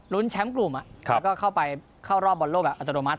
แชมป์กลุ่มแล้วก็เข้าไปเข้ารอบบอลโลกแบบอัตโนมัติ